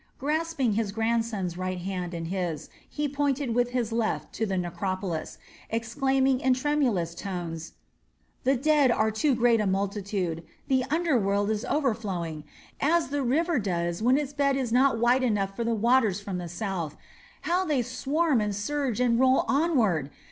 Grasping his grandson's right hand in his, he pointed with his left to the necropolis, exclaiming in tremulous tones: "The dead are too great a multitude. The under world is overflowing, as the river does when its bed is not wide enough for the waters from the south. How they swarm and surge and roll onward!